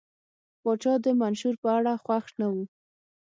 پاچا د منشور په اړه خوښ نه و.